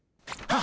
あ！